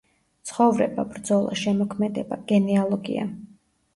ცხოვრება, ბრძოლა, შემოქმედება, გენეალოგია.